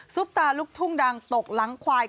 ตาลูกทุ่งดังตกหลังควาย